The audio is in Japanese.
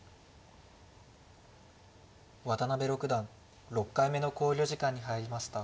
渡辺六段６回目の考慮時間に入りました。